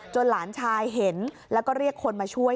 หลานชายเห็นแล้วก็เรียกคนมาช่วย